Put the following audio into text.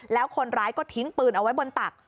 แล้วคนร้ายก็ทิ้งปืนเอาไว้บนตัก